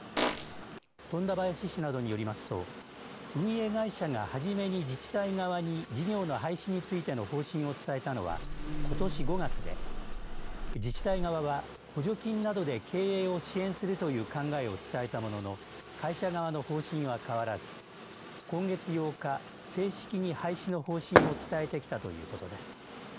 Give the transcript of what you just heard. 富田林市などによりますと運営会社がはじめに自治体側に事業の廃止についての方針を伝えたのはことし５月で自治体側は補助金などで経営を支援するという考えを伝えたものの会社側の方針は変わらず今月８日正式に廃止の方針を伝えてきたということです。